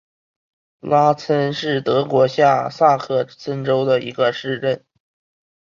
拉岑是德国下萨克森州的一个市镇。